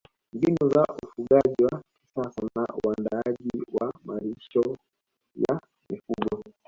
Mbinu za ufugaji wa kisasa na uandaaji wa malisho ya mifugo